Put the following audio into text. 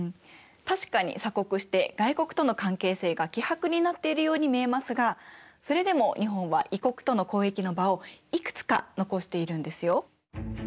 確かに鎖国して外国との関係性が希薄になっているように見えますがそれでも日本は異国との交易の場をいくつか残しているんですよ。